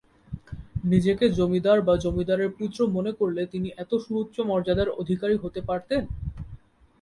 নিজেকে জমিদার বা জমিদারের পুত্র মনে করলে তিনি এত সুউচ্চ মর্যাদার অধিকারী হতে পারতেন?